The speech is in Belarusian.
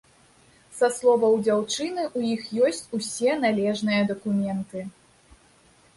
Са словаў дзяўчыны, у іх ёсць усе належныя дакументы.